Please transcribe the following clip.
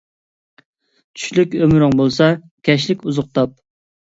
چۈشلۈك ئۆمرۈڭ بولسا، كەچلىك ئوزۇق تاپ